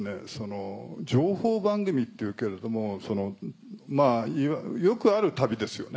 情報番組っていうけれどもまぁよくある旅ですよね。